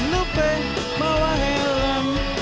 gak lupa bawa helm